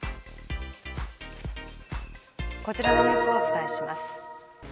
こちらのニュースをお伝えします。